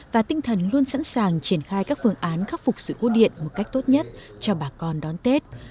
và tinh thần luôn sẵn sàng triển khai các phương án khắc phục sự cố điện một cách tốt nhất cho bà con đón tết